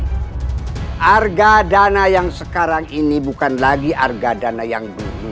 harga dana yang sekarang ini bukan lagi harga dana yang dulu